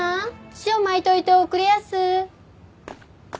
塩まいといておくれやす。